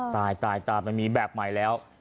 ตายตายมันมีแบบใหม่แล้ว